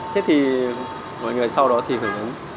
thế thì mọi người sau đó thì hưởng ứng